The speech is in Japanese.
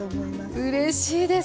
うれしいです。